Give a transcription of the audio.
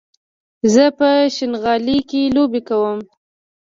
زه په شينغالي کې لوبې کوم